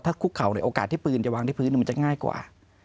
คุกเข่าเนี่ยโอกาสที่ปืนจะวางที่พื้นมันจะง่ายกว่า